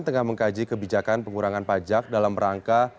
tengah mengkaji kebijakan pengurangan pajak dalam rangka